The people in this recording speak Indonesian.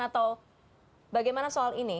atau bagaimana soal ini